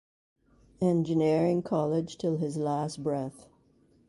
Engineering College till his last breath.